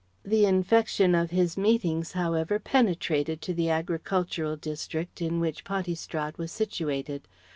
The infection of his meetings however penetrated to the agricultural district in which Pontystrad was situated.